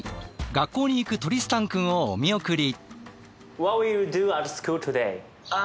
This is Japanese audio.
学校に行くトリスタンくんをお見送り。